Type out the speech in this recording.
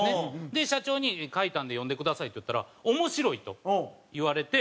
で社長に「書いたんで読んでください」って言ったら「面白い」と言われて。